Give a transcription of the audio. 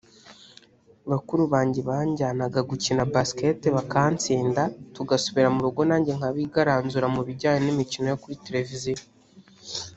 bakuru banjye banjyanaga gukina Basketball bakantsinda tugasubira mu rugo nanjye nkabigaranzura mu bijyanye n’imikino yo kuri televiziyo